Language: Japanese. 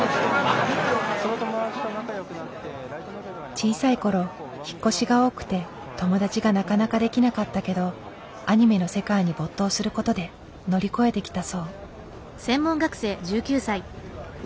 小さい頃引っ越しが多くて友達がなかなかできなかったけどアニメの世界に没頭する事で乗り越えてきたそう。